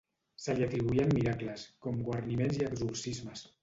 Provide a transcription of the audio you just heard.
Se li atribuïen miracles, com guariments i exorcismes.